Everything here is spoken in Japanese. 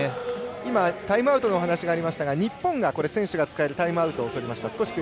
今、タイムアウトのお話がありましたが日本が選手が使えるタイムアウトを使いました。